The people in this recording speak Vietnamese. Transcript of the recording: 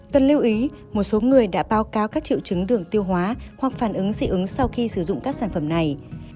cần lưu ý một số người đã báo cáo các triệu chứng đường tiêu hóa hoặc phản ứng dị ứng sau khi sử dụng các sản phẩm này